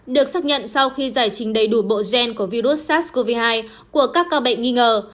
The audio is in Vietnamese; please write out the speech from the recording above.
được xác nhận sau khi giải trình đầy đủ bộ gen của virus sars cov hai của các ca bệnh nghi ngờ